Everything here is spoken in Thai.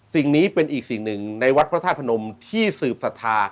สิ่งนี้เป็นอีกสิ่งหนึ่งในวัดพระธาตุพนมที่สืบศรัทธา